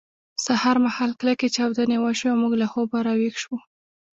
سهار مهال کلکې چاودنې وشوې او موږ له خوبه راویښ شوو